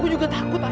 aku juga takut ayah